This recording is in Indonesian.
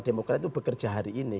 demokrat itu bekerja hari ini